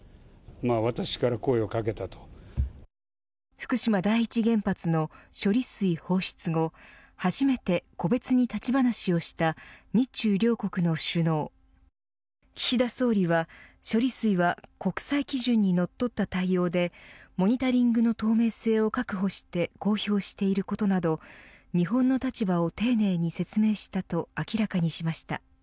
福島第一原発の処理水放出後初めて個別に立ち話をした日中両国の首脳岸田総理は、処理水は国際基準にのっとった対応でモニタリングの透明性を確保して公表していることなど日本の立場を丁寧に説明したと明らかにしました。